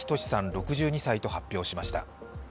６２歳と発表しました。